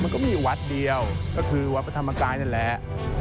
มันก็มีวัดเดียวก็คือวัดประธัมางกายนั่นแล้ว